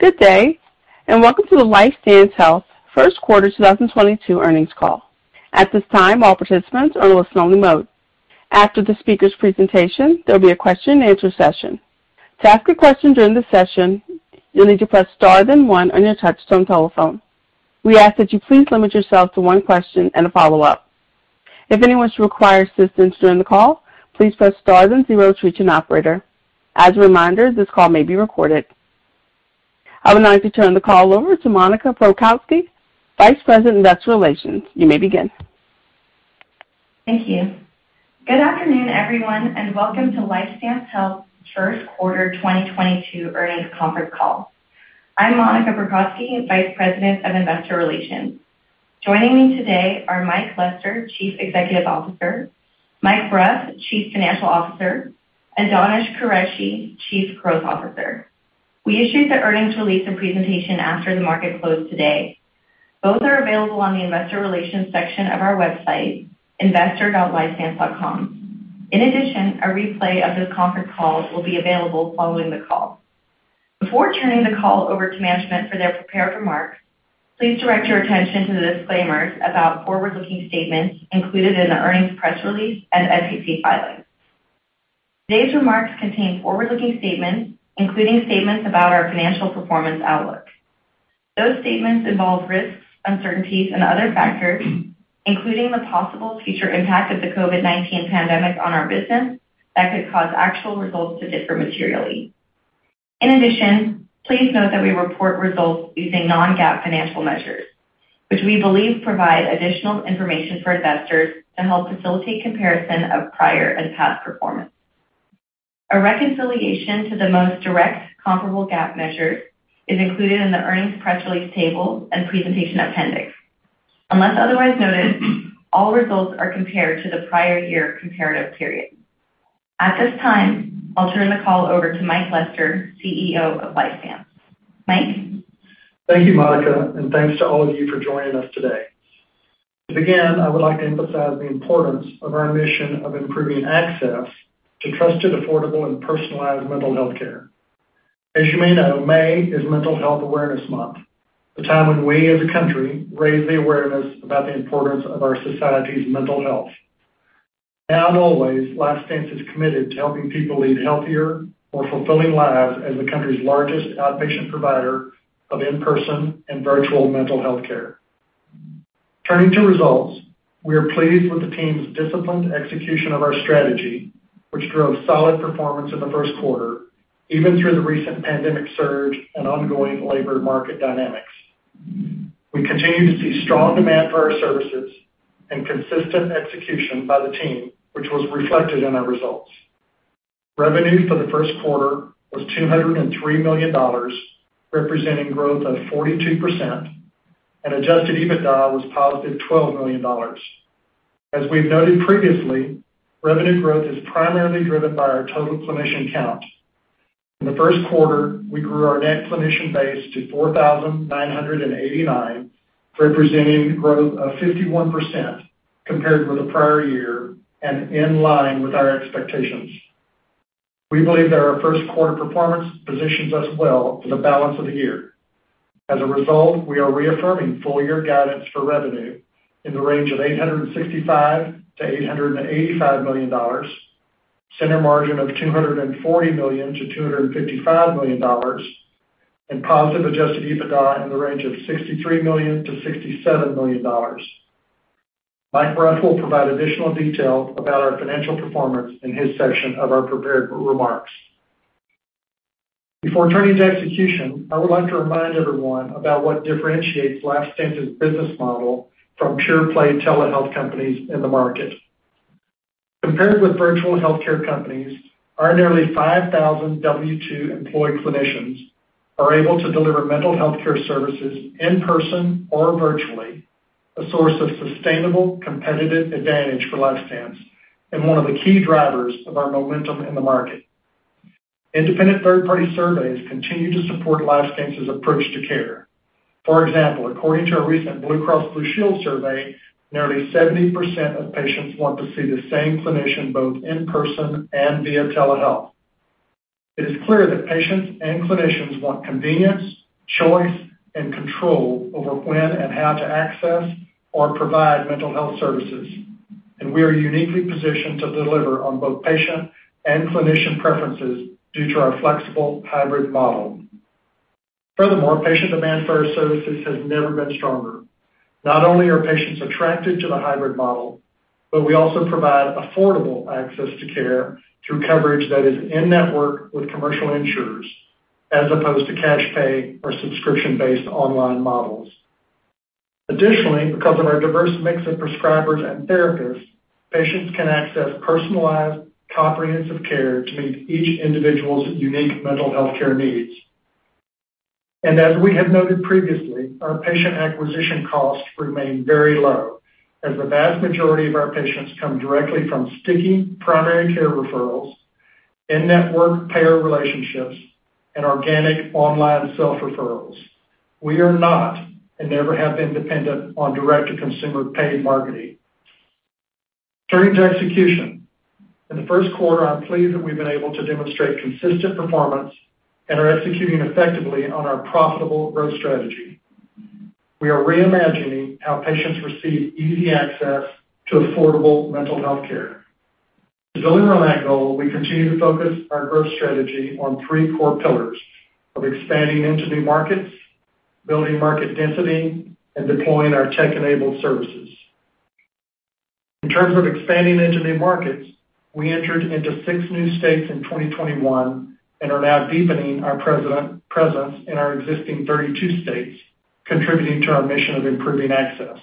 Good day, and welcome to the LifeStance Health First Quarter 2022 Earnings Call. At this time, all participants are in listen only mode. After the speaker's presentation, there'll be a question and answer session. To ask a question during the session, you'll need to press star, then one on your touchtone telephone. We ask that you please limit yourself to one question and a follow-up. If anyone should require assistance during the call, please press Star then zero to reach an operator. As a reminder, this call may be recorded. I would now like to turn the call over to Monica Prokocki, Vice President, Investor Relations. You may begin. Thank you. Good afternoon, everyone, and welcome to LifeStance Health First Quarter 2022 Earnings Conference Call. I'm Monica Prokocki, Vice President of Investor Relations. Joining me today are Mike Lester, Chief Executive Officer, Mike Bruff, Chief Financial Officer, and Danish Qureshi, Chief Growth Officer. We issued the earnings release and presentation after the market closed today. Both are available on the investor relations section of our website, investor.lifestance.com. In addition, a replay of this conference call will be available following the call. Before turning the call over to management for their prepared remarks, please direct your attention to the disclaimers about forward-looking statements included in the earnings press release and SEC filings. Today's remarks contain forward-looking statements, including statements about our financial performance outlook. Those statements involve risks, uncertainties and other factors, including the possible future impact of the COVID-19 pandemic on our business that could cause actual results to differ materially. In addition, please note that we report results using non-GAAP financial measures, which we believe provide additional information for investors to help facilitate comparison of prior and past performance. A reconciliation to the most direct comparable GAAP measure is included in the earnings press release table and presentation appendix. Unless otherwise noted, all results are compared to the prior year comparative period. At this time, I'll turn the call over to Mike Lester, CEO of LifeStance. Mike. Thank you, Monica, and thanks to all of you for joining us today. To begin, I would like to emphasize the importance of our mission of improving access to trusted, affordable, and personalized mental health care. As you may know, May is Mental Health Awareness Month, the time when we as a country raise the awareness about the importance of our society's mental health. Now and always, LifeStance is committed to helping people lead healthier, more fulfilling lives as the country's largest outpatient provider of in-person and virtual mental health care. Turning to results. We are pleased with the team's disciplined execution of our strategy, which drove solid performance in the first quarter, even through the recent pandemic surge and ongoing labor market dynamics. We continue to see strong demand for our services and consistent execution by the team, which was reflected in our results. Revenue for the first quarter was $203 million, representing growth of 42%, and Adjusted EBITDA was positive $12 million. As we've noted previously, revenue growth is primarily driven by our total clinician count. In the first quarter, we grew our net clinician base to 4,989, representing growth of 51% compared with the prior year and in line with our expectations. We believe that our first quarter performance positions us well for the balance of the year. As a result, we are reaffirming full year guidance for revenue in the range of $865 million-885 million, Center Margin of $240 million-255 million, and positive Adjusted EBITDA in the range of $63 million-67 million. Mike Bruff will provide additional detail about our financial performance in his section of our prepared remarks. Before turning to execution, I would like to remind everyone about what differentiates LifeStance's business model from pure play telehealth companies in the market. Compared with virtual healthcare companies, our nearly 5,000 W-2 employed clinicians are able to deliver mental health care services in person or virtually, a source of sustainable competitive advantage for LifeStance and one of the key drivers of our momentum in the market. Independent third-party surveys continue to support LifeStance's approach to care. For example, according to a recent Blue Cross Blue Shield survey, nearly 70% of patients want to see the same clinician both in person and via telehealth. It is clear that patients and clinicians want convenience, choice, and control over when and how to access or provide mental health services, and we are uniquely positioned to deliver on both patient and clinician preferences due to our flexible hybrid model. Furthermore, patient demand for our services has never been stronger. Not only are patients attracted to the hybrid model, but we also provide affordable access to care through coverage that is in-network with commercial insurers as opposed to cash pay or subscription-based online models. Additionally, because of our diverse mix of prescribers and therapists, patients can access personalized, comprehensive care to meet each individual's unique mental health care needs. As we have noted previously, our patient acquisition costs remain very low as the vast majority of our patients come directly from sticky primary care referrals, in-network payer relationships, and organic online self-referrals. We are not, and never have been dependent on direct-to-consumer paid marketing. Turning to execution. In the first quarter, I'm pleased that we've been able to demonstrate consistent performance and are executing effectively on our profitable growth strategy. We are reimagining how patients receive easy access to affordable mental health care. To build around that goal, we continue to focus our growth strategy on three core pillars of expanding into new markets, building market density, and deploying our tech-enabled services. In terms of expanding into new markets, we entered into six new states in 2021 and are now deepening our presence in our existing 32 states, contributing to our mission of improving access.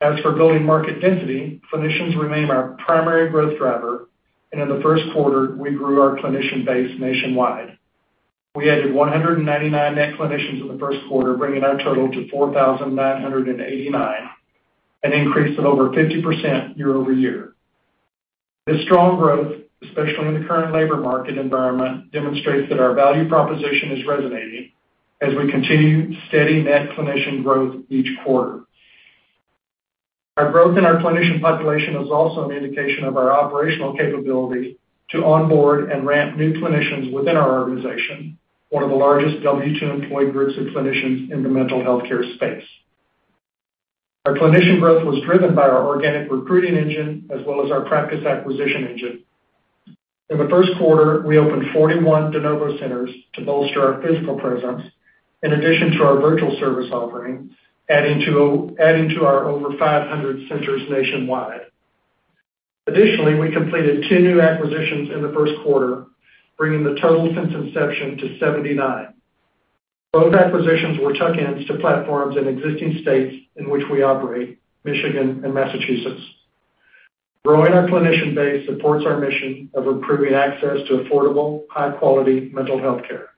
As for building market density, clinicians remain our primary growth driver, and in the first quarter, we grew our clinician base nationwide. We added 199 net clinicians in the first quarter, bringing our total to 4,989, an increase of over 50% year-over-year. This strong growth, especially in the current labor market environment, demonstrates that our value proposition is resonating as we continue steady net clinician growth each quarter. Our growth in our clinician population is also an indication of our operational capability to onboard and ramp new clinicians within our organization, one of the largest W-2 employee groups of clinicians in the mental health care space. Our clinician growth was driven by our organic recruiting engine as well as our practice acquisition engine. In the first quarter, we opened 41 de novo centers to bolster our physical presence in addition to our virtual service offering, adding to our over 500 centers nationwide. Additionally, we completed two new acquisitions in the first quarter, bringing the total since inception to 79. Both acquisitions were tuck-ins to platforms in existing states in which we operate, Michigan and Massachusetts. Growing our clinician base supports our mission of improving access to affordable, high-quality mental health care.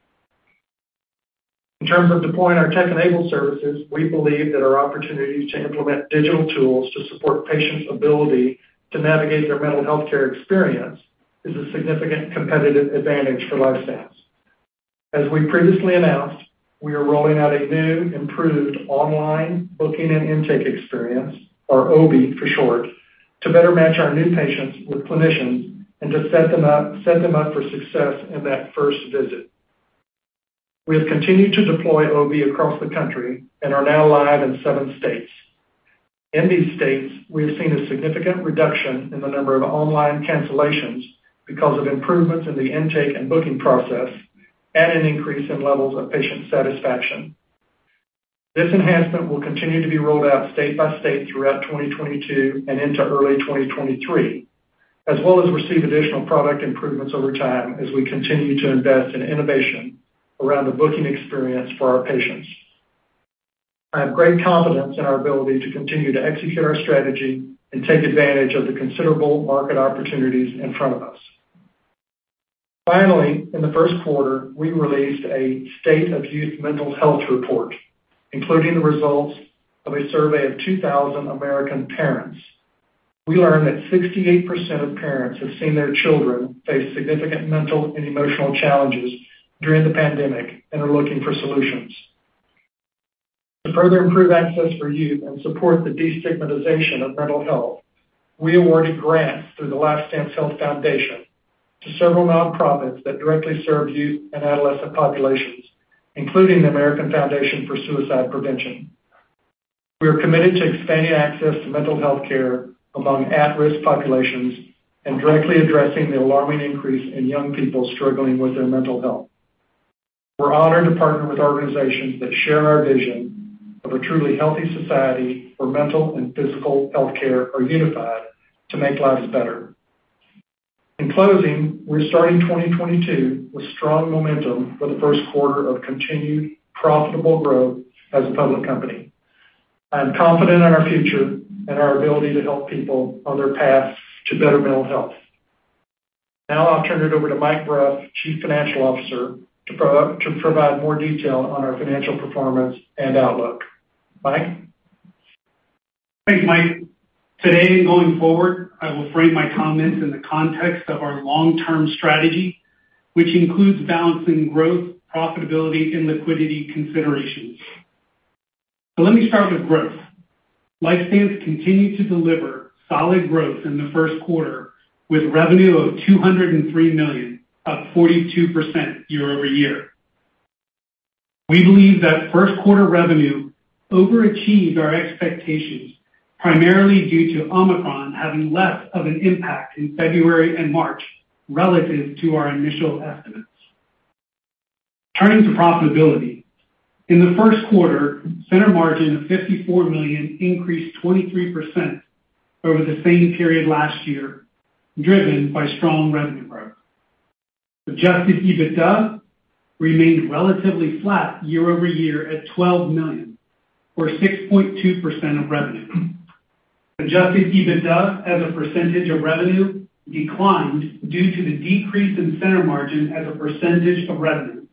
In terms of deploying our tech-enabled services, we believe that our opportunities to implement digital tools to support patients' ability to navigate their mental health care experience is a significant competitive advantage for LifeStance. As we previously announced, we are rolling out a new improved Online Booking and Intake Experience, or OBIE for short, to better match our new patients with clinicians and to set them up for success in that first visit. We have continued to deploy OBIE across the country and are now live in seven states. In these states, we have seen a significant reduction in the number of online cancellations because of improvements in the intake and booking process and an increase in levels of patient satisfaction. This enhancement will continue to be rolled out state by state throughout 2022 and into early 2023, as well as receive additional product improvements over time as we continue to invest in innovation around the booking experience for our patients. I have great confidence in our ability to continue to execute our strategy and take advantage of the considerable market opportunities in front of us. Finally, in the first quarter, we released a State of Youth Mental Health report, including the results of a survey of 2,000 American parents. We learned that 68% of parents have seen their children face significant mental and emotional challenges during the pandemic and are looking for solutions. To further improve access for youth and support the destigmatization of mental health, we awarded grants through the LifeStance Health Foundation to several nonprofits that directly serve youth and adolescent populations, including the American Foundation for Suicide Prevention. We are committed to expanding access to mental health care among at-risk populations and directly addressing the alarming increase in young people struggling with their mental health. We're honored to partner with organizations that share our vision of a truly healthy society where mental and physical health care are unified to make lives better. In closing, we're starting 2022 with strong momentum for the first quarter of continued profitable growth as a public company. I am confident in our future and our ability to help people on their paths to better mental health. Now I'll turn it over to Mike Bruff, Chief Financial Officer, to provide more detail on our financial performance and outlook. Mike? Thanks, Mike. Today and going forward, I will frame my comments in the context of our long-term strategy, which includes balancing growth, profitability, and liquidity considerations. Let me start with growth. LifeStance continued to deliver solid growth in the first quarter with revenue of $203 million, up 42% year-over-year. We believe that first quarter revenue overachieved our expectations, primarily due to Omicron having less of an impact in February and March relative to our initial estimates. Turning to profitability. In the first quarter, center margin of $54 million increased 23% over the same period last year, driven by strong revenue growth. Adjusted EBITDA remained relatively flat year-over-year at $12 million, or 6.2% of revenue. Adjusted EBITDA as a percentage of revenue declined due to the decrease in Center Margin as a percentage of revenue,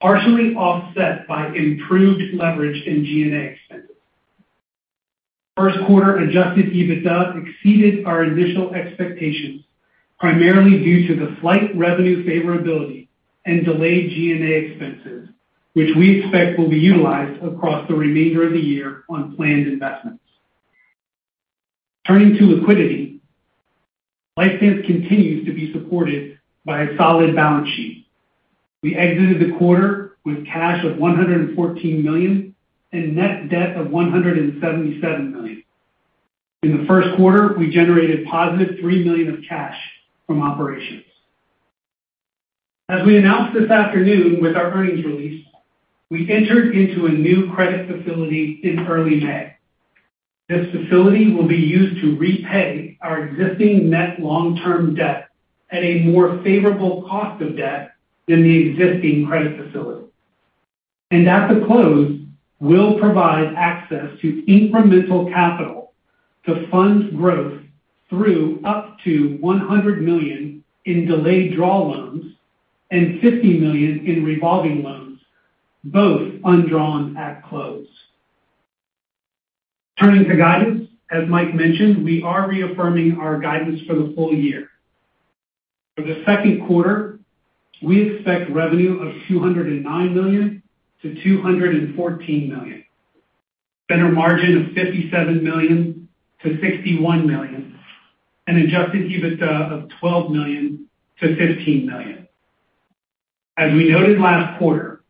partially offset by improved leverage in G&A expenses. First-quarter Adjusted EBITDA exceeded our initial expectations. Primarily due to the slight revenue favorability and delayed G&A expenses, which we expect will be utilized across the remainder of the year on planned investments. Turning to liquidity, LifeStance continues to be supported by a solid balance sheet. We exited the quarter with cash of $114 million and net debt of $177 million. In the first quarter, we generated positive $3 million of cash from operations. As we announced this afternoon with our earnings release, we entered into a new credit facility in early May. This facility will be used to repay our existing net long-term debt at a more favorable cost of debt than the existing credit facility. At the close, we'll provide access to incremental capital to fund growth through up to $100 million in delayed draw loans and $50 million in revolving loans, both undrawn at close. Turning to guidance, as Mike mentioned, we are reaffirming our guidance for the full year. For the second quarter, we expect revenue of $209 million-214 million, center margin of $57 million-61 million, and Adjusted EBITDA of $12 million-15 million. As we noted last quarter,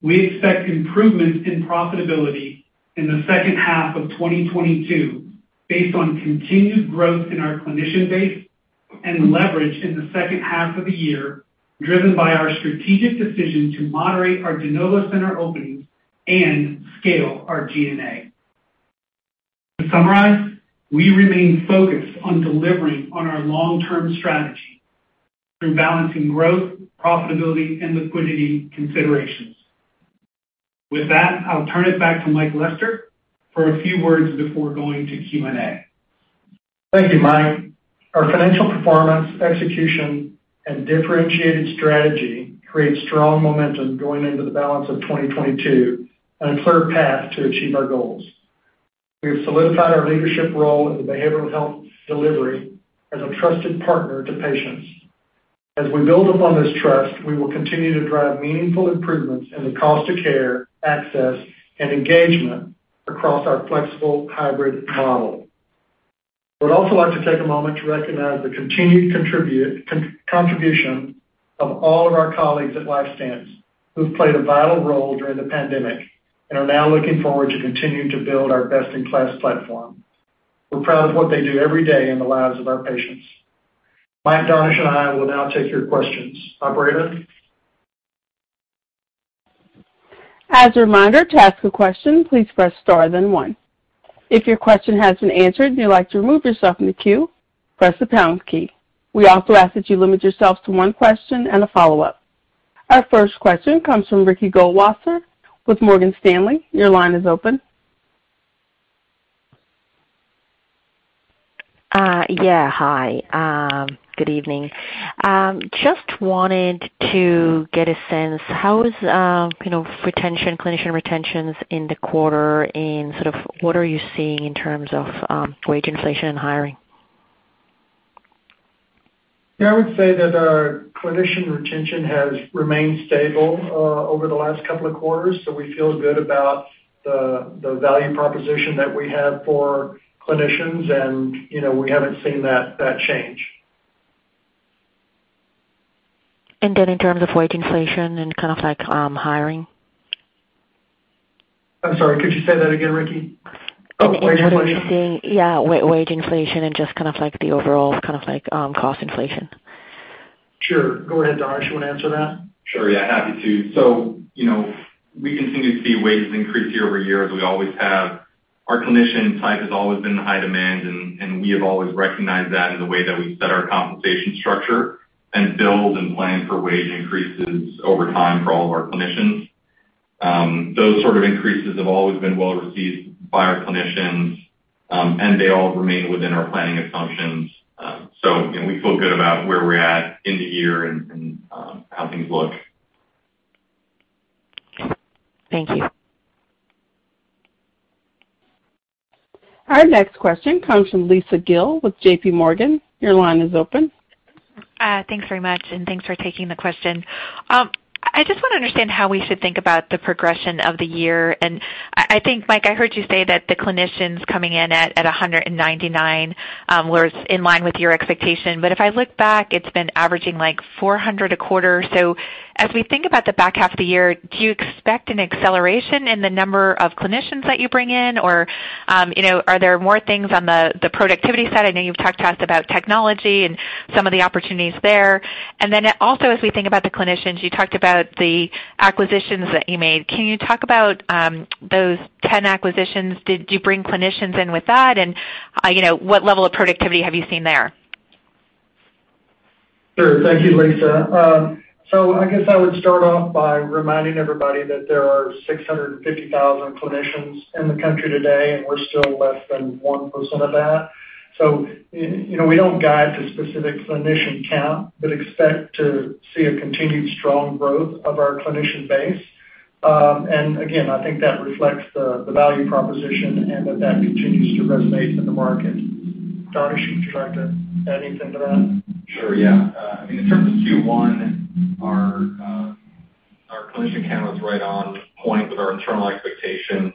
we expect improvements in profitability in the second half of 2022 based on continued growth in our clinician base and leverage in the second half of the year, driven by our strategic decision to moderate our de novo center openings and scale our G&A. To summarize, we remain focused on delivering on our long-term strategy through balancing growth, profitability, and liquidity considerations. With that, I'll turn it back to Mike Lester for a few words before going to Q&A. Thank you, Mike. Our financial performance, execution, and differentiated strategy create strong momentum going into the balance of 2022 and a clear path to achieve our goals. We have solidified our leadership role in the behavioral health delivery as a trusted partner to patients. As we build upon this trust, we will continue to drive meaningful improvements in the cost of care, access, and engagement across our flexible hybrid model. I would also like to take a moment to recognize the continued contribution of all of our colleagues at LifeStance, who've played a vital role during the pandemic and are now looking forward to continuing to build our best-in-class platform. We're proud of what they do every day in the lives of our patients. Mike, Danish, and I will now take your questions. Operator? As a reminder, to ask a question, please press star then one. If your question has been answered and you'd like to remove yourself from the queue, press the pound key. We also ask that you limit yourself to one question and a follow-up. Our first question comes from Ricky Goldwasser with Morgan Stanley. Your line is open. Yeah, hi. Good evening. Just wanted to get a sense, how is, you know, retention, clinician retentions in the quarter, and sort of what are you seeing in terms of, wage inflation and hiring? Yeah, I would say that our clinician retention has remained stable over the last couple of quarters, so we feel good about the value proposition that we have for clinicians and, you know, we haven't seen that change. In terms of wage inflation and kind of like, hiring? I'm sorry. Could you say that again, Ricky? Oh, wage inflation. Yeah, wage inflation and just kind of like the overall kind of like, cost inflation. Sure. Go ahead, Danish. You wanna answer that? Sure, yeah, happy to. You know, we continue to see wages increase year over year as we always have. Our clinician type has always been in high demand, and we have always recognized that in the way that we set our compensation structure and build and plan for wage increases over time for all of our clinicians. Those sort of increases have always been well received by our clinicians, and they all remain within our planning assumptions. You know, we feel good about where we're at in the year and how things look. Thank you. Our next question comes from Lisa Gill with JPMorgan. Your line is open. Thanks very much, and thanks for taking the question. I just wanna understand how we should think about the progression of the year, and I think, Mike, I heard you say that the clinicians coming in at 199 was in line with your expectation. If I look back, it's been averaging like 400 a quarter. As we think about the back half of the year, do you expect an acceleration in the number of clinicians that you bring in? You know, are there more things on the productivity side? I know you've talked to us about technology and some of the opportunities there. Also, as we think about the clinicians, you talked about the acquisitions that you made. Can you talk about those 10 acquisitions? Did you bring clinicians in with that? You know, what level of productivity have you seen there? Sure. Thank you, Lisa. I guess I would start off by reminding everybody that there are 650,000 clinicians in the country today, and we're still less than 1% of that. You know, we don't guide to specific clinician count, but expect to see a continued strong growth of our clinician base. And again, I think that reflects the value proposition and that continues to resonate in the market. Danish, would you like to add anything to that? Sure, yeah. I mean, in terms of Q1, our clinician count was right on point with our internal expectations.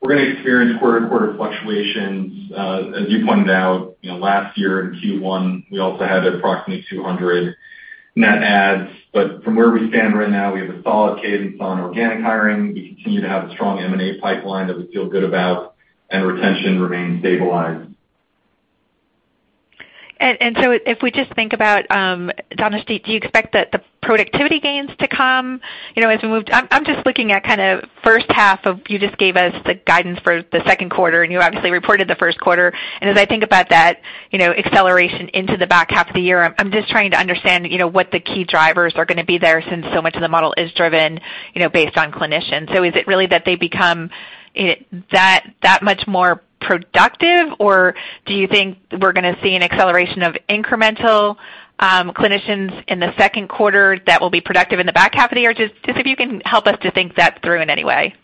We're gonna experience quarter-over-quarter fluctuations. As you pointed out, you know, last year in Q1, we also had approximately 200 net adds. From where we stand right now, we have a solid cadence on organic hiring. We continue to have a strong M&A pipeline that we feel good about, and retention remains stabilized. If we just think about Danish, do you expect that the productivity gains to come, you know? I'm just looking at kind of first half, you just gave us the guidance for the second quarter, and you obviously reported the first quarter. As I think about that, you know, acceleration into the back half of the year, I'm just trying to understand, you know, what the key drivers are gonna be there since so much of the model is driven, you know, based on clinicians. Is it really that they become that much more productive, or do you think we're gonna see an acceleration of incremental clinicians in the second quarter that will be productive in the back half of the year? Just if you can help us to think that through in any way.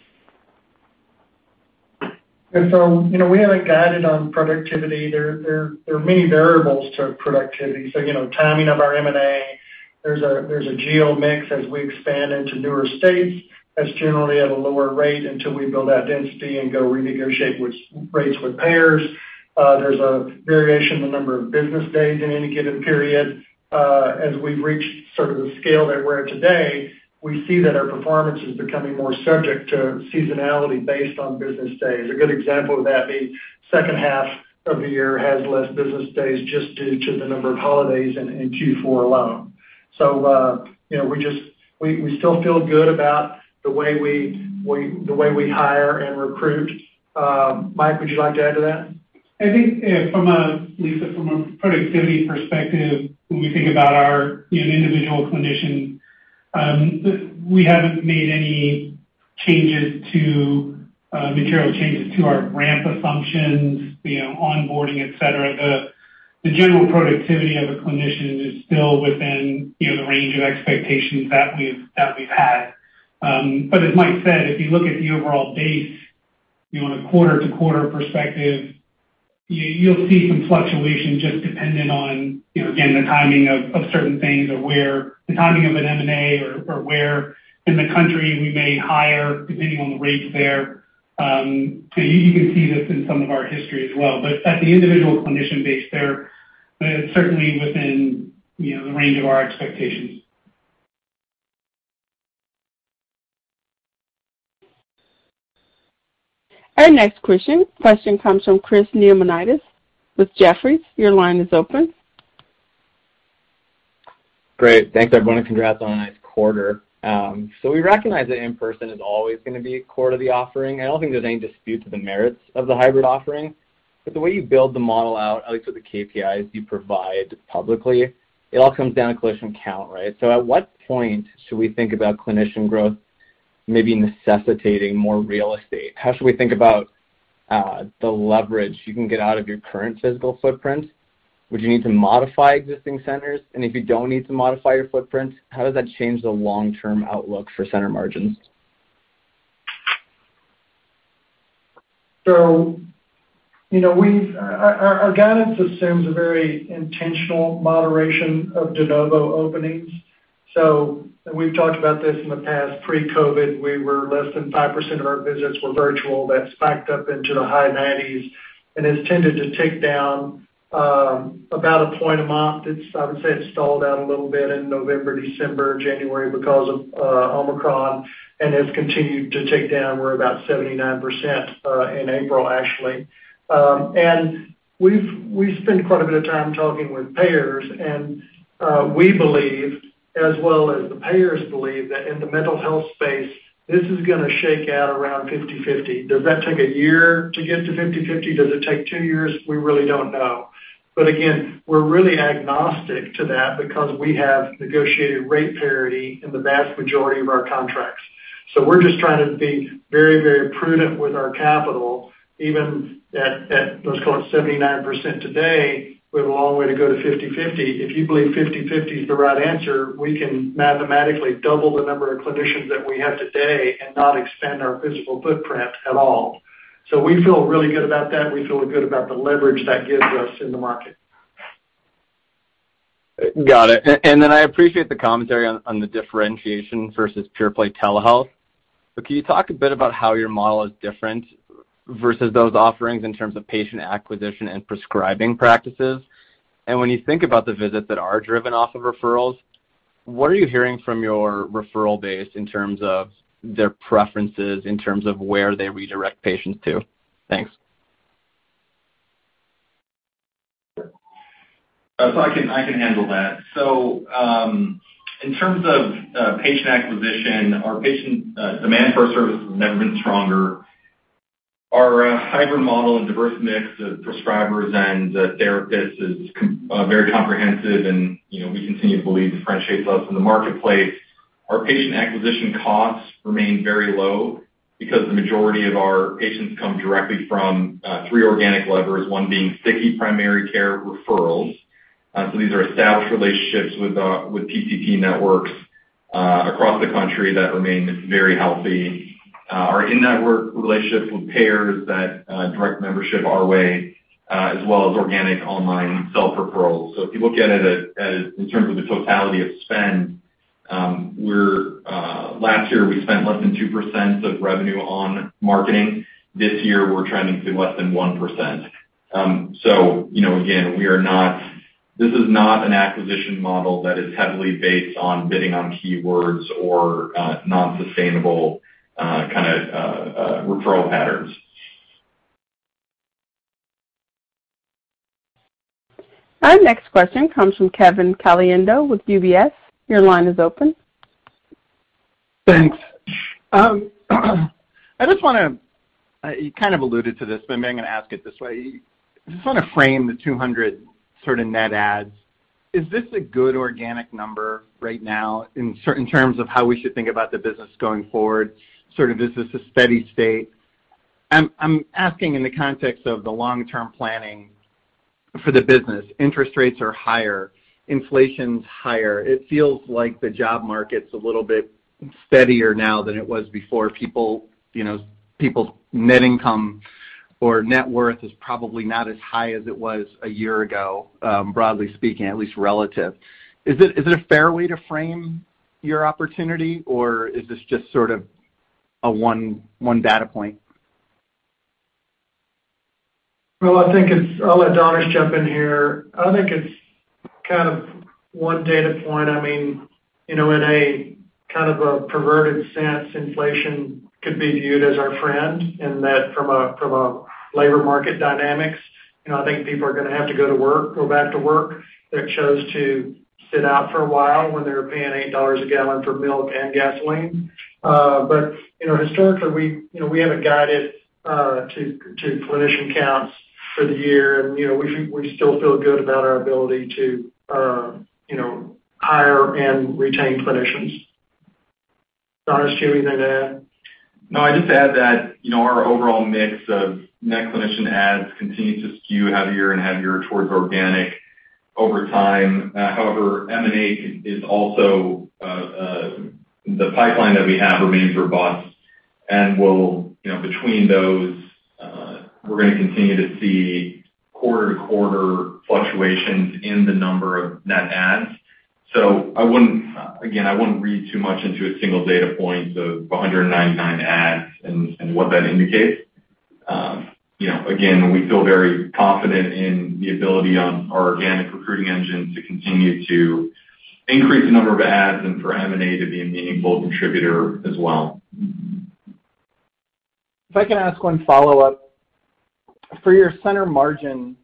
You know, we haven't guided on productivity. There are many variables to productivity. You know, timing of our M&A, there's a geo mix as we expand into newer states that's generally at a lower rate until we build out density and go renegotiate rates with payers. There's a variation in the number of business days in any given period. As we've reached sort of the scale that we're at today, we see that our performance is becoming more subject to seasonality based on business days. A good example of that being second half of the year has less business days just due to the number of holidays in Q4 alone. You know, we still feel good about the way we hire and recruit. Mike, would you like to add to that? I think, from a productivity perspective, Lisa, when we think about our, you know, individual clinician, we haven't made any material changes to our ramp assumptions, you know, onboarding, et cetera. The general productivity of a clinician is still within, you know, the range of expectations that we've had. As Mike said, if you look at the overall base, you know, on a quarter-to-quarter perspective, you'll see some fluctuation just dependent on, you know, again, the timing of certain things or where the timing of an M&A or where in the country we may hire depending on the rates there. You can see this in some of our history as well. At the individual clinician base there, certainly within, you know, the range of our expectations. Our next question comes from Chris Neamonitis with Jefferies. Your line is open. Great. Thanks, everyone, and congrats on a nice quarter. We recognize that in-person is always gonna be core to the offering. I don't think there's any dispute to the merits of the hybrid offering. The way you build the model out, at least with the KPIs you provide publicly, it all comes down to clinician count, right? At what point should we think about clinician growth maybe necessitating more real estate? How should we think about the leverage you can get out of your current physical footprint? Would you need to modify existing centers? If you don't need to modify your footprint, how does that change the long-term outlook for center margins? You know, our guidance assumes a very intentional moderation of de novo openings. We've talked about this in the past. Pre-COVID, we were less than 5% of our visits were virtual. That spiked up into the high 90s and has tended to tick down about a point a month. I would say it stalled out a little bit in November, December, January because of Omicron, and has continued to tick down. We're about 79% in April, actually. We've spent quite a bit of time talking with payers, and we believe, as well as the payers believe, that in the mental health space, this is gonna shake out around 50/50. Does that take a year to get to 50/50? Does it take two years? We really don't know. Again, we're really agnostic to that because we have negotiated rate parity in the vast majority of our contracts. We're just trying to be very, very prudent with our capital. Even at, let's call it 79% today, we have a long way to go to 50/50. If you believe 50/50 is the right answer, we can mathematically double the number of clinicians that we have today and not expand our physical footprint at all. We feel really good about that. We feel good about the leverage that gives us in the market. Got it. I appreciate the commentary on the differentiation versus pure play telehealth. Can you talk a bit about how your model is different versus those offerings in terms of patient acquisition and prescribing practices? When you think about the visits that are driven off of referrals, what are you hearing from your referral base in terms of their preferences, in terms of where they redirect patients to? Thanks. I can handle that. In terms of patient acquisition, our patient demand for our service has never been stronger. Our hybrid model and diverse mix of prescribers and therapists is very comprehensive, and, you know, we continue to believe differentiates us in the marketplace. Our patient acquisition costs remain very low because the majority of our patients come directly from three organic levers, one being sticky primary care referrals. These are established relationships with PCP networks across the country that remain very healthy. Our in-network relationships with payers that direct membership our way, as well as organic online self-referrals. If you look at it as in terms of the totality of spend, last year we spent less than 2% of revenue on marketing. This year we're trending to less than 1%. You know, again, this is not an acquisition model that is heavily based on bidding on keywords or non-sustainable kinda referral patterns. Our next question comes from Kevin Caliendo with UBS. Your line is open. Thanks. I just wanna. You kind of alluded to this, but maybe I'm gonna ask it this way. Just wanna frame the 200 sort of net adds. Is this a good organic number right now in certain terms of how we should think about the business going forward, sort of is this a steady state? I'm asking in the context of the long-term planning for the business. Interest rates are higher, inflation's higher. It feels like the job market's a little bit steadier now than it was before. People, you know, people's net income or net worth is probably not as high as it was a year ago, broadly speaking, at least relative. Is it a fair way to frame your opportunity, or is this just sort of a one data point? Well, I'll let Danish jump in here. I think it's kind of one data point. I mean, you know, in a kind of a perverted sense, inflation could be viewed as our friend, and that from a labor market dynamics, you know, I think people are gonna have to go to work, go back to work, that chose to sit out for a while when they were paying $8 a gallon for milk and gasoline. You know, historically, we, you know, we haven't guided to clinician counts for the year. You know, we still feel good about our ability to, you know, hire and retain clinicians. Danish, do you have anything to add? No, I'd just add that, you know, our overall mix of net clinician adds continues to skew heavier and heavier towards organic over time. However, M&A is also. The pipeline that we have remains robust. We'll, you know, between those, we're gonna continue to see quarter-to-quarter fluctuations in the number of net adds. Again, I wouldn't read too much into a single data point of 199 adds and what that indicates. You know, again, we feel very confident in the ability on our organic recruiting engine to continue to increase the number of adds and for M&A to be a meaningful contributor as well. If I can ask one follow-up. For your Center Margin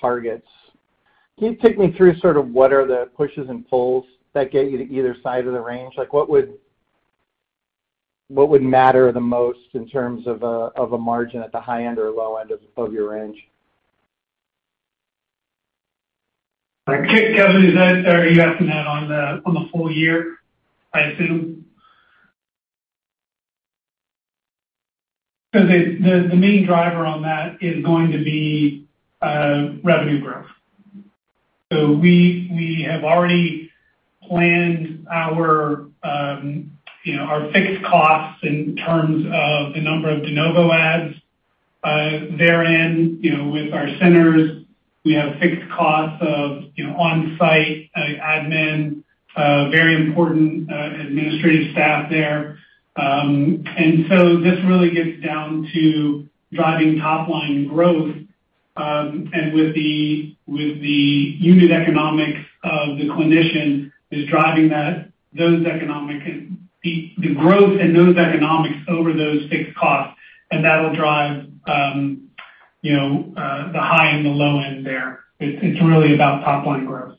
targets, can you take me through sort of what are the pushes and pulls that get you to either side of the range? Like, what would matter the most in terms of a margin at the high end or low end of your range? Okay. Kevin, are you asking that on the full year, I assume? The main driver on that is going to be revenue growth. We have already planned our fixed costs in terms of the number of de novo adds. Therein, with our centers, we have fixed costs of on-site admin very important administrative staff there. This really gets down to driving top line growth. With the unit economics of the clinician is driving that, those economic and the growth in those economics over those fixed costs, and that'll drive the high and the low end there. It's really about top line growth.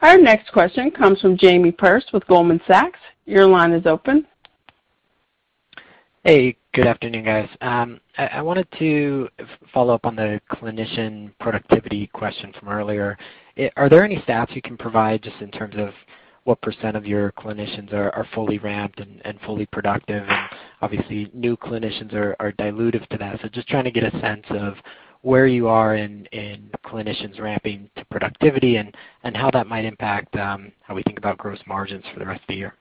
Our next question comes from Jamie Perse with Goldman Sachs. Your line is open. Hey, good afternoon, guys. I wanted to follow up on the clinician productivity question from earlier. Are there any stats you can provide just in terms of what % of your clinicians are fully ramped and fully productive? Obviously, new clinicians are dilutive to that. Just trying to get a sense of where you are in clinicians ramping to productivity and how that might impact how we think about gross margins for the rest of the year.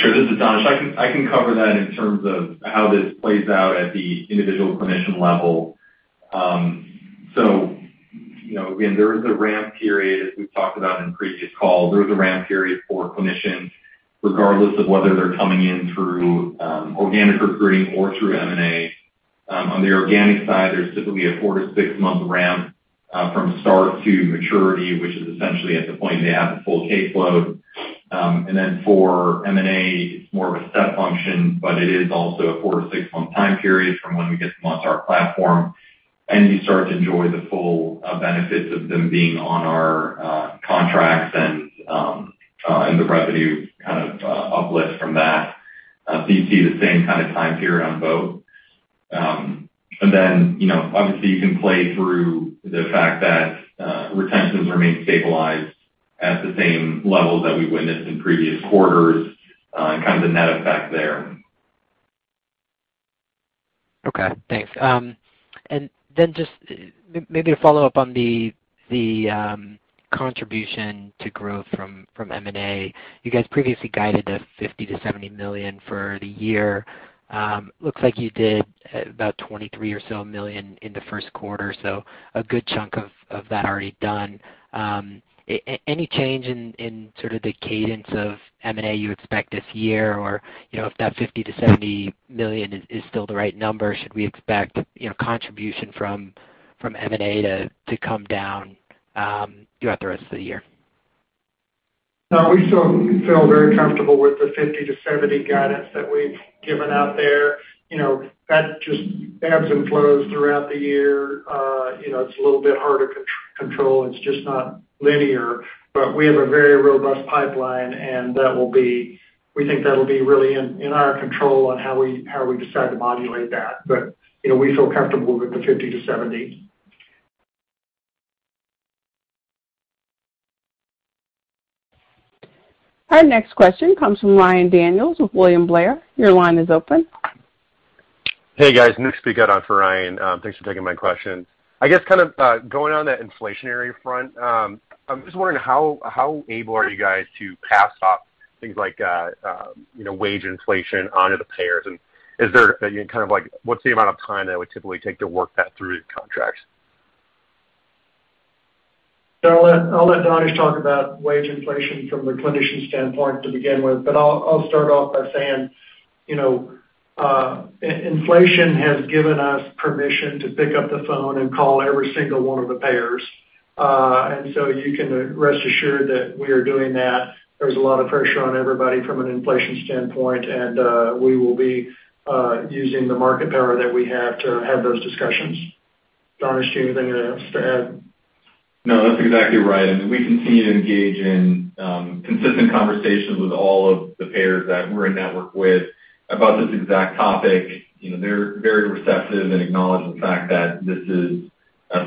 Sure. This is Danish. I can cover that in terms of how this plays out at the individual clinician level. You know, again, there is a ramp period, as we've talked about in previous calls. There is a ramp period for clinicians, regardless of whether they're coming in through organic recruiting or through M&A. On the organic side, there's typically a four to six-month ramp from start to maturity, which is essentially at the point they have a full caseload. For M&A, it's more of a step function, but it is also a four to six-month time period from when we get them onto our platform, and you start to enjoy the full benefits of them being on our contracts and the revenue kind of uplift from that. You see the same kind of time period on both. Then, you know, obviously, you can play through the fact that retentions remain stabilized at the same levels that we witnessed in previous quarters, and kind of the net effect there. Okay. Thanks. Just maybe a follow-up on the contribution to growth from M&A. You guys previously guided the $50 million-70 million for the year. Looks like you did about $23 million or so in the first quarter, so a good chunk of that already done. Any change in sort of the cadence of M&A you expect this year? Or, you know, if that $50 million-70 million is still the right number, should we expect, you know, contribution from M&A to come down throughout the rest of the year? No, we feel very comfortable with the 50-70 guidance that we've given out there. You know, that just ebbs and flows throughout the year. You know, it's a little bit harder to control. It's just not linear. We have a very robust pipeline, and that will be, we think that'll be really in our control on how we decide to modulate that. You know, we feel comfortable with the 50-70. Our next question comes from Ryan Daniels with William Blair. Your line is open. Hey, guys. New speaker on for Ryan. Thanks for taking my question. I guess kind of going on the inflationary front, I'm just wondering how able are you guys to pass off things like you know, wage inflation onto the payers? Is there any kind of like what's the amount of time that it would typically take to work that through contracts? I'll let Danish talk about wage inflation from the clinician standpoint to begin with, but I'll start off by saying, you know, inflation has given us permission to pick up the phone and call every single one of the payers. You can rest assured that we are doing that. There's a lot of pressure on everybody from an inflation standpoint, and we will be using the market power that we have to have those discussions. Danish, do you have anything else to add? No, that's exactly right. I mean, we continue to engage in consistent conversations with all of the payers that we're in network with about this exact topic. You know, they're very receptive and acknowledge the fact that this is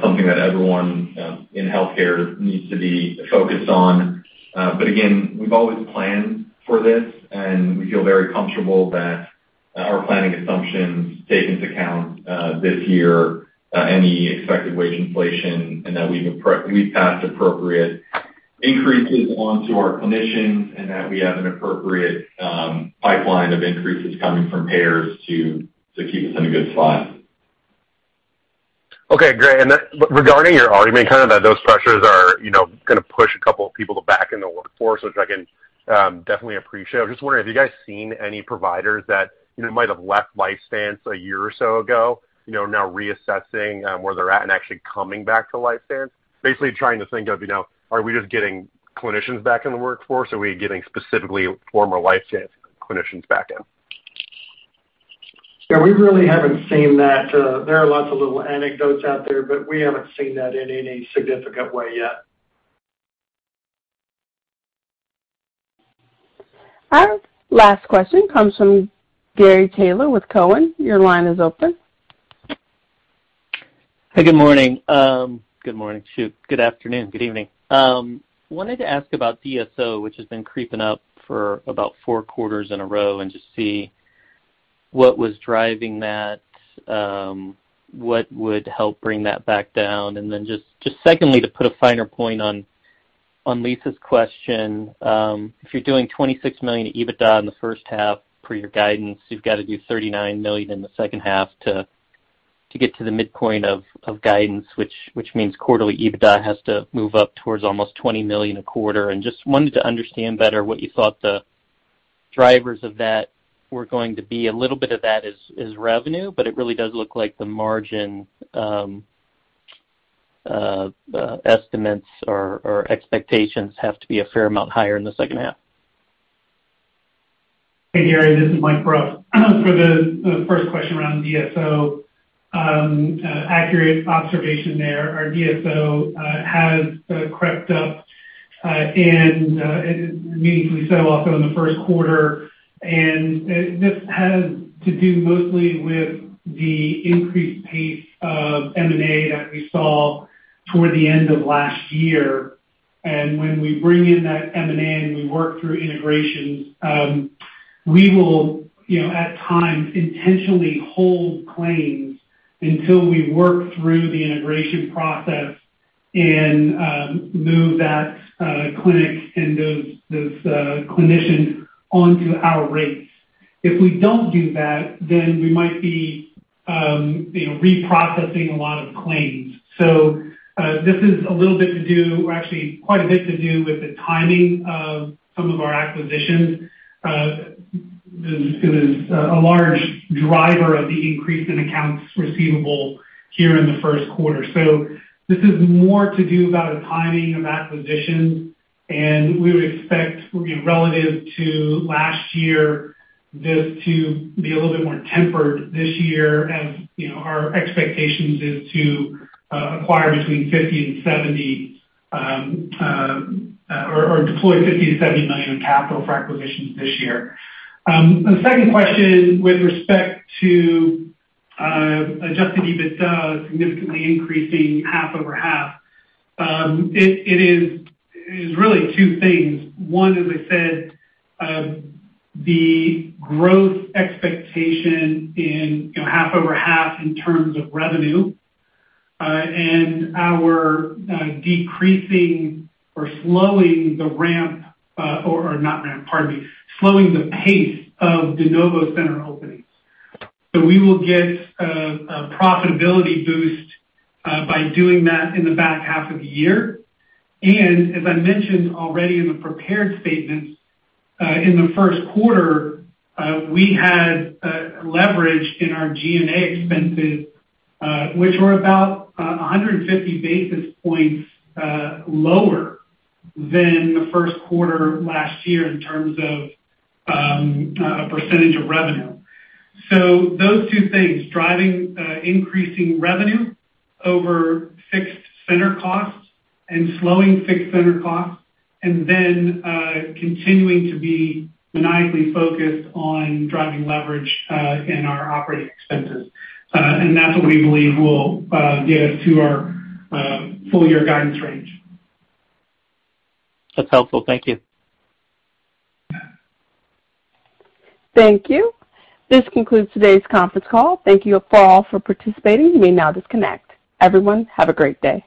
something that everyone in healthcare needs to be focused on. Again, we've always planned for this, and we feel very comfortable that our planning assumptions take into account this year any expected wage inflation and that we've passed appropriate increases onto our clinicians and that we have an appropriate pipeline of increases coming from payers to keep us in a good spot. Okay. Great. Then regarding your argument, kind of that those pressures are, you know, gonna push a couple of people back in the workforce, which I can definitely appreciate. I was just wondering, have you guys seen any providers that, you know, might have left LifeStance a year or so ago, you know, now reassessing where they're at and actually coming back to LifeStance? Basically, trying to think of, you know, are we just getting clinicians back in the workforce, or are we getting specifically former LifeStance clinicians back in? Yeah, we really haven't seen that. There are lots of little anecdotes out there, but we haven't seen that in any significant way yet. Our last question comes from Gary Taylor with Cowen. Your line is open. Hey, good afternoon, good evening. Wanted to ask about DSO, which has been creeping up for about four quarters in a row, and just see what was driving that, what would help bring that back down. Just secondly, to put a finer point on Lisa's question, if you're doing $26 million EBITDA in the first half for your guidance, you've got to do $39 million in the second half to get to the midpoint of guidance, which means quarterly EBITDA has to move up towards almost $20 million a quarter. Just wanted to understand better what you thought the drivers of that were going to be. A little bit of that is revenue, but it really does look like the margin estimates or expectations have to be a fair amount higher in the second half. Hey, Gary, this is Mike Bruff. For the first question around DSO, accurate observation there. Our DSO has crept up and meaningfully so also in the first quarter. This has to do mostly with the increased pace of M&A that we saw toward the end of last year. When we bring in that M&A, and we work through integrations, we will, you know, at times intentionally hold claims until we work through the integration process and move that clinic and those clinicians onto our rates. If we don't do that, then we might be, you know, reprocessing a lot of claims. This is a little bit to do or actually quite a bit to do with the timing of some of our acquisitions. It was a large driver of the increase in accounts receivable here in the first quarter. This is more to do about a timing of acquisitions, and we would expect, you know, relative to last year, this to be a little bit more tempered this year as, you know, our expectations is to acquire between $50 million and 70 million, or deploy $50 million-70 million in capital for acquisitions this year. The second question with respect to adjusted EBITDA significantly increasing half-over-half, it is really two things. One, as I said, the growth expectation in, you know, half-over-half in terms of revenue, and our decreasing or slowing the ramp, pardon me, slowing the pace of de novo center openings. We will get a profitability boost by doing that in the back half of the year. As I mentioned already in the prepared statements, in the first quarter, we had leverage in our G&A expenses, which were about 150 basis points lower than the first quarter last year in terms of percentage of revenue. Those two things, driving increasing revenue over fixed center costs and slowing fixed center costs and then continuing to be maniacally focused on driving leverage in our operating expenses. That's what we believe will get us to our full year guidance range. That's helpful. Thank you. Thank you. This concludes today's conference call. Thank you all for participating. You may now disconnect. Everyone, have a great day.